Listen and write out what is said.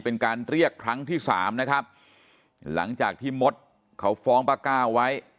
เป็นการเรียกครั้งที่สามนะครับหลังจากที่มดเขาฟ้องป้าก้าวไว้